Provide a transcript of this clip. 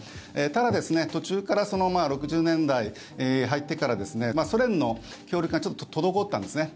ただ、途中から６０年代に入ってからソ連の協力がちょっと滞ったんですね。